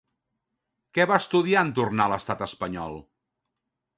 Què va estudiar en tornar a l'estat espanyol?